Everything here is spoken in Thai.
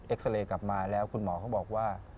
ซาเรย์กลับมาแล้วคุณหมอเขาบอกว่า